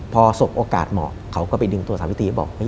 พอสบโอกาสเหมาะเขาก็ไปดึงตัวสาวิตรีบอก